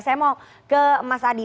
saya mau ke mas adi